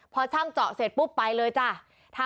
พอช่างเจาะเสร็จปุ๊บไปเลยจ้ะ